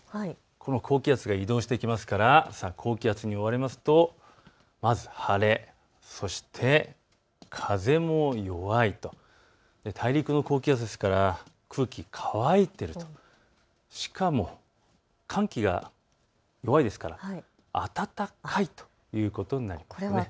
この高気圧が移動してきますから高気圧に覆われますと、まず晴れ、そして風も弱いと、大陸の高気圧ですから空気が乾いていると、しかも寒気が弱いですから暖かいということになります。